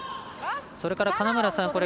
それから金村さん